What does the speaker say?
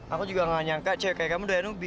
aku juga nggak nyangka cewek kaya kamu doyan ubi